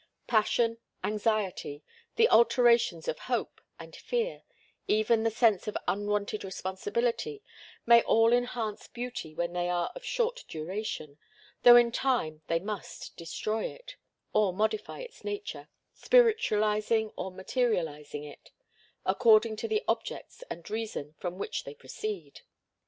Passion, anxiety, the alternations of hope and fear, even the sense of unwonted responsibility, may all enhance beauty when they are of short duration, though in time they must destroy it, or modify its nature, spiritualizing or materializing it, according to the objects and reasons from which they proceed.